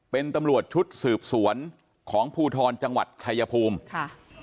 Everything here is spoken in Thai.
เป็นตำรวจชุดสืบสวนของภูทรจังหวัดชายภูมิค่ะ